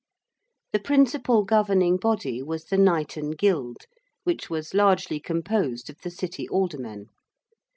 The principal governing body was the 'Knighten Guild,' which was largely composed of the City aldermen.